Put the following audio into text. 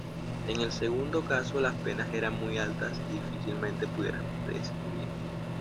En el segundo caso las penas eran muy altas y difícilmente pudieran prescribir.